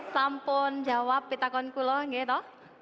saya ingin menjawab pertanyaan saya